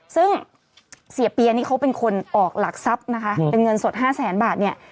ซึ่งเสียเปียนี่เขาเป็นคนออกหลักทรัพย์นะคะเป็นเงินสด๕แสนบาทเนี่ย